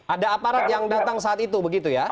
ada aparat yang datang saat itu begitu ya